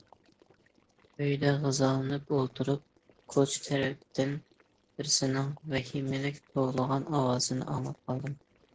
ئۆيدە غىزالىنىپ ئولتۇرۇپ، كوچا تەرەپتىن بىرسىنىڭ ۋەھىمىلىك توۋلىغان ئاۋازىنى ئاڭلاپ قالدىم.